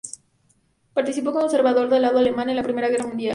Participó como observador, del lado alemán, en la Primera Guerra Mundial.